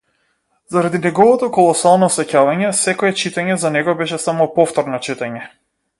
Заради неговото колосално сеќавање, секое читање за него беше само повторно читање.